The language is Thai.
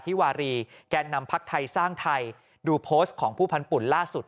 วารีแก่นำพักไทยสร้างไทยดูโพสต์ของผู้พันธุ่นล่าสุด